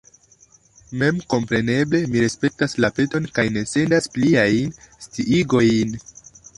Memkompreneble mi respektas la peton kaj ne sendas pliajn sciigojn.